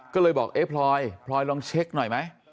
ก็เลยบอกเอ๊ะพลอยพลอยลองเช็คหน่อยไหม